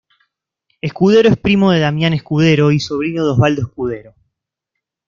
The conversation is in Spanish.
Escudero es primo de Damián Escudero y sobrino de Osvaldo Escudero.